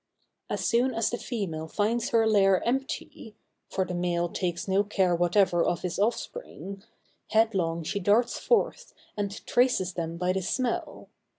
As soon as the female finds her lair empty—for the male takes no care whatever of his offspring—headlong she darts forth, and traces them by the smell.